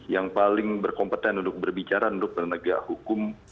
yang paling berkompeten untuk berbicara untuk penegak hukum